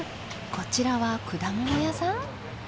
こちらは果物屋さん？